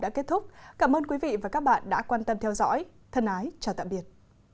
đã kết thúc cảm ơn quý vị và các bạn đã quan tâm theo dõi thân ái chào tạm biệt